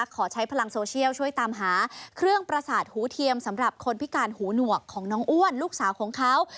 ขอใช้พลังโซเชียลช่วยตามหาเครื่องประสาทหูเทียมสำหรับคนพิการหูหนวกของน้องอ้วนลูกสาวของเขา